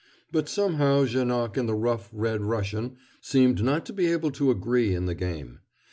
But somehow Janoc and the rough, red Russian seemed not to be able to agree in the game.